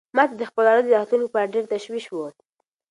ما ته د خپل وراره د راتلونکي په اړه ډېر تشویش و.